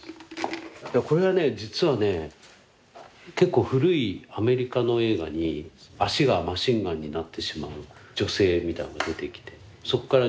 これがね実はね結構古いアメリカの映画に足がマシンガンになってしまう女性が出てきてそこからイメージして。